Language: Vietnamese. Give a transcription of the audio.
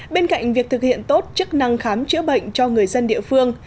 bên cạnh việc thực hiện tốt chức năng khám chữa bệnh cho người dân địa phương